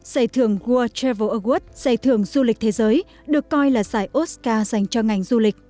giải thưởng world travel award giải thưởng du lịch thế giới được coi là giải oscar dành cho ngành du lịch